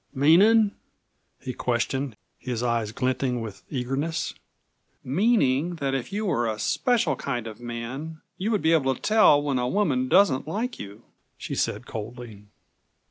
"Meanin'?" he questioned, his eyes glinting with eagerness. "Meaning that if you were a 'special kind of man' you would be able to tell when a woman doesn't like you," she said coldly.